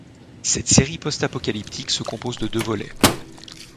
Cette série post-apocalyptique se compose de deux volets.